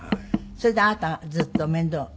それであなたがずっと面倒を。